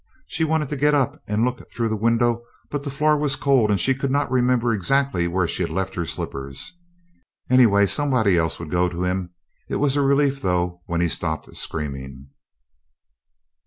She wanted to get up and look through the window, but the floor was cold and she could not remember exactly where she had left her slippers. Anyway, somebody else would go to him. It was a relief, though, when he stopped screaming.